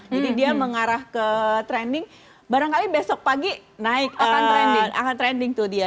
jadi dia mengarah ke trending barangkali besok pagi naik akan trending tuh dia